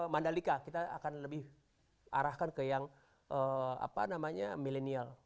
mandalika kita akan lebih arahkan ke yang millennial